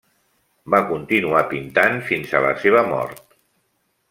Va continuar pintant fins a la seva mort.